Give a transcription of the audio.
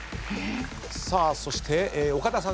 そして岡田さん正解。